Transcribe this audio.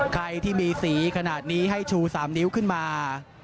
ใครที่มีสีขนาดนี้ให้ชู๓นิ้วขึ้นมา